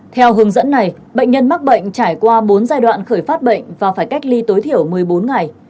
theo hướng dẫn này bệnh nhân mắc bệnh trải qua bốn giai đoạn khởi phát bệnh và phải cách ly tối thiểu một mươi bốn ngày